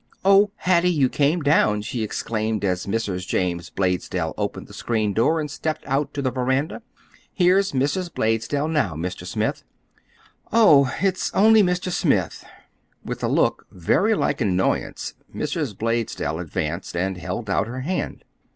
"Oh, Hattie, you came down!" she exclaimed as Mrs. James Blaisdell opened the screen door and stepped out on to the veranda. "Here's Mrs. Blaisdell now, Mr. Smith." "Oh, it's only Mr. Smith!" With a look very like annoyance Mrs. Blaisdell advanced and held out her hand.